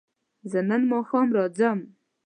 زه نن ماښام راځم